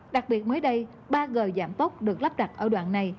đặc biệt mới đây ba gờ giảm tốc được lắp đặt ở đoạn này